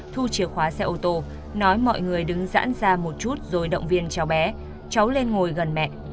thu chìa khóa xe ô tô nói mọi người đứng giãn ra một chút rồi động viên cháu bé cháu lên ngồi gần mẹ